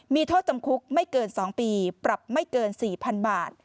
มีโทษจำคุกไม่เกิน๒ปีปรับไม่เกิน๔๐๐๐บาท